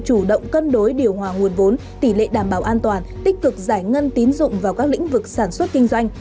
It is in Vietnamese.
chủ động cân đối điều hòa nguồn vốn tỷ lệ đảm bảo an toàn tích cực giải ngân tín dụng vào các lĩnh vực sản xuất kinh doanh